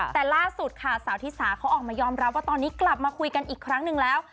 แต่ล่าสุดค่ะสาวธิสาเขาออกมายอมรับว่าตอนนี้กลับมาคุยกันอีกครั้งหนึ่งแล้ว